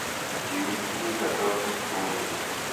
Hnízdí ve velkých koloniích.